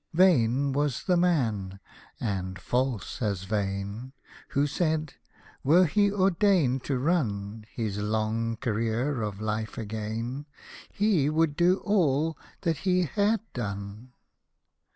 Vain was the man, and false as vain, Who said —" were he ordained to run '' His long career of life again, ." He would do all that he had done."